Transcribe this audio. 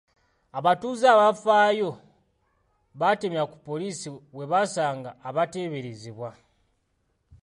Abatuuze abafaayo batemya ku poliisi bwe basanga abateeberezebwa.